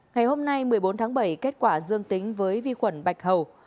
ngày hôm nay một mươi bốn tháng bảy kết quả dương tính với vi khuẩn bạch hầu